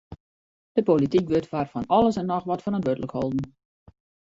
De polityk wurdt foar fan alles en noch wat ferantwurdlik holden.